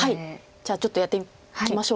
じゃあちょっとやっていきましょうか。